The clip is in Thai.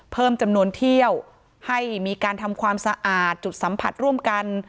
เพิ่มจำนวนเที่ยวให้มีการทำความสะอาดจุดสัมผัสร่วมกัน